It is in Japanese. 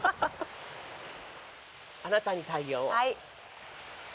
「あなたに太陽を」